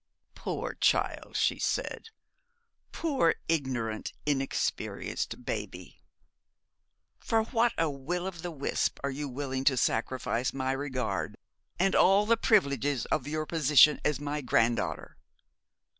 'Poor child!' she said; 'poor ignorant, inexperienced baby! For what a Will o the wisp are you ready to sacrifice my regard, and all the privileges of your position as my granddaughter!